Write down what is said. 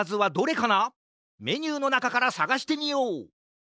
メニューのなかからさがしてみよう！